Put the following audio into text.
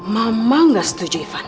mama nggak setuju ivan